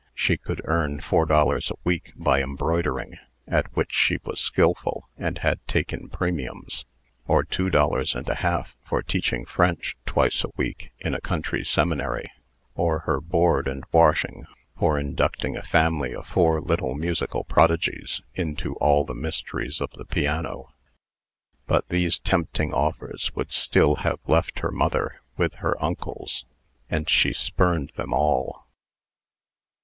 She could earn four dollars a week by embroidering (at which she was skilful, and had taken premiums); or two dollars and a half for teaching French, twice a week, in a country seminary; or her board and washing for inducting a family of four little musical prodigies into all the mysteries of the piano. But these tempting offers would still have left her mother with her uncles, and she spurned them all.